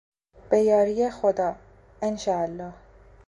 به یاری خدا، انشاالله